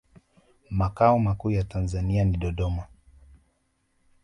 makao makuu ya tanzania ni dodoma